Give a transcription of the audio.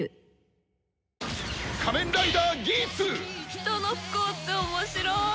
人の不幸って面白い！